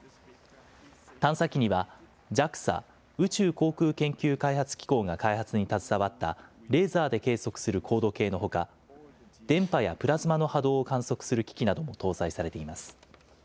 探査機にはＪＡＸＡ・宇宙航空研究開発機構が開発に携わったレーザーで計測する高度計のほか、電波やプラズマの波動を観測する機器なども搭載されています。